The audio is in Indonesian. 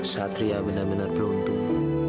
satria benar benar beruntung